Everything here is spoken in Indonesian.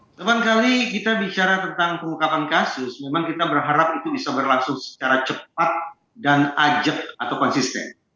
pertama kali kita bicara tentang pengungkapan kasus memang kita berharap itu bisa berlangsung secara cepat dan ajak atau konsisten